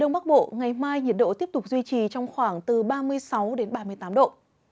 bắc bộ ngày mai nhiệt độ tiếp tục duy trì trong khoảng từ ba mươi sáu đến ba mươi tám độ